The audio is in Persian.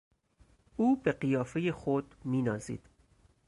او به قیافهی خود مینازید.